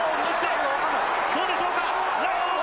どうでしょうか。